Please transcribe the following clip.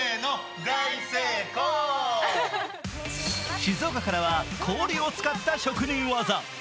静岡からは氷を使った職人技。